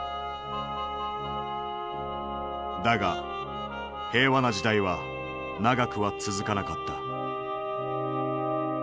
だが平和な時代は長くは続かなかった。